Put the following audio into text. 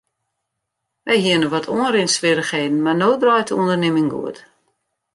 Wy hiene wat oanrinswierrichheden mar no draait de ûndernimming goed.